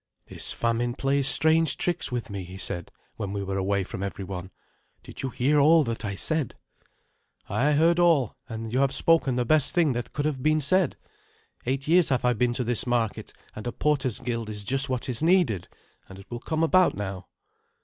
"This famine plays strange tricks with me," he said when we were away from every one. "Did you hear all that I said?" "I heard all, and you have spoken the best thing that could have been said. Eight years have I been to this market, and a porters' guild is just what is needed. And it will come about now."